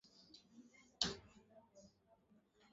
Kiwango cha maambukizi ya ugonjwa wa kupinda shingo kwa wanyama